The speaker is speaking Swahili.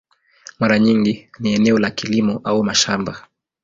Mara nyingi ni eneo la kilimo au mashamba.